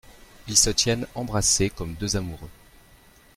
Ils se tiennent embrassés comme deux amoureux.